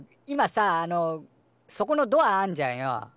今さああのそこのドアあんじゃんよ。